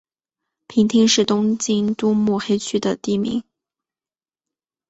平町是东京都目黑区的地名。